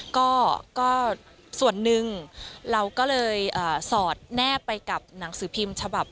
ก็ส่วนหนึ่งเราก็เลยสอดแนบไปกับหนังสือพิมพ์ฉบับ